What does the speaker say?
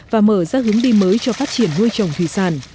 và mở ra hướng đi mới cho phát triển nuôi trồng thủy sản